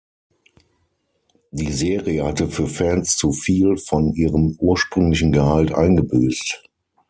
Die Serie hatte für Fans zu viel von ihrem ursprünglichen Gehalt eingebüßt.